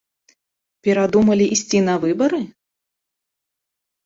Перадумалі ісці на выбары?